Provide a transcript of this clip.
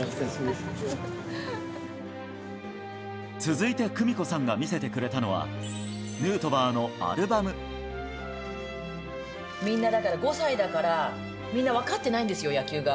続いて久美子さんが見せてくみんな、だから５歳だから、みんな分かってないんですよ、野球が。